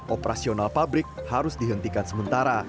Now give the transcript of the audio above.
operasional pabrik harus dihentikan sementara